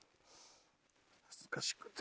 恥ずかしくて。